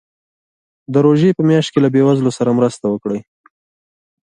د روژې په میاشت کې له بېوزلو سره مرسته وکړئ.